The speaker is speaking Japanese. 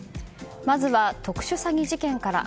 まずは特殊詐欺事件から。